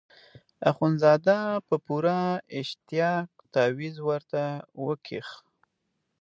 اخندزاده په پوره اشتیاق تاویز ورته وکیښ.